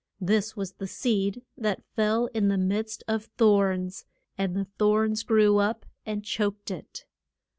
This was the seed that fell in the midst of thorns, and the thorns grew up and choked it.